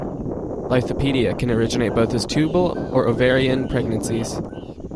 Lithopedia can originate both as tubal or ovarian pregnancies.